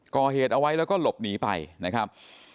ก่อเหตุเอาไว้แล้วก็หลบหนีไปนะครับ